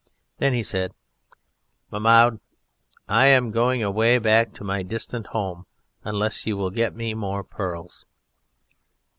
Then he said: "Mahmoud, I am going away back to my distant home, unless you will get me more pearls."